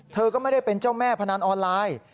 เธอก็ไม่ได้เป็นเจ้าแม่พนันออนไลน์